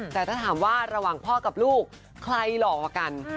แต่ถ้าถามว่าระหว่างพ่อกับลูกใครหล่อกว่ากัน